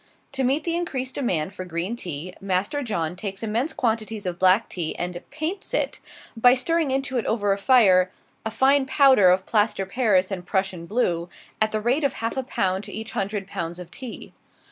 To meet the increased demand for green tea, Master John takes immense quantities of black tea and "paints" it, by stirring into it over a fire a fine powder of plaster Paris and Prussian blue, at the rate of half a pound to each hundred pounds of tea.